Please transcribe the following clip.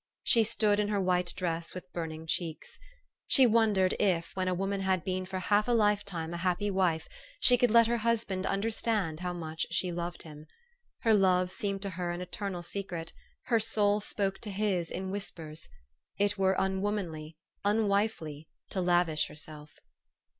She stood in her white dress with burning cheeks. She wondered if, when a woman had been for half a lifetime a happy wife, she could let her husband un derstand how much she loved him. Her love seemed to her an eternal secret. Her soul spoke to his in whispers. It were unwomanly, unwifely, to lavish herself.